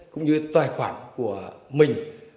cũng như tài khoản của mình